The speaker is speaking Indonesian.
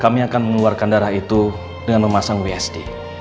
kami akan mengeluarkan darah itu dengan memasang wsd